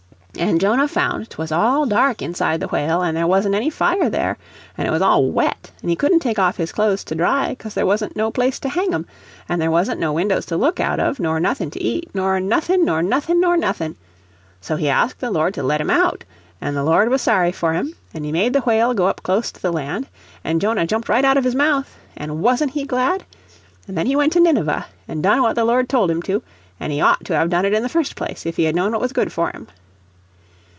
An' Jonah found 'twas all dark inside the whale, and there wasn't any fire there, an' it was all wet, and he couldn't take off his clothes to dry, cos there wasn't no place to hang 'em, an' there wasn't no windows to look out of, nor nothin' to eat, nor nothin' nor nothin' nor nothin.' So he asked the Lord to let Mm out, an' the Lord was sorry for him, an' he made the whale go up close to the land, an' Jonah jumped right out of his mouth, an' WASN'T he glad? An' then he went to Nineveh, an' done what the Lord told him to, and he ought to have done it in the first place if he had known what was good for him."